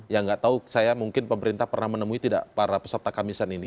yang nggak tahu saya mungkin pemerintah pernah menemui tidak para peserta kamisan ini